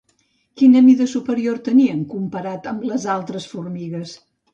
Quina mida superior tenien comparat amb les altres formigues?